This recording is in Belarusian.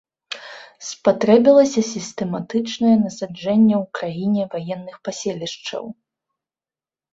Спатрэбілася сістэматычнае насаджэнне ў краіне ваенных паселішчаў.